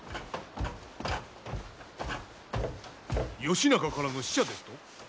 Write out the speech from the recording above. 義仲からの使者ですと？